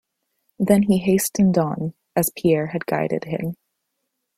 Then he hastened on, as Pierre had guided him.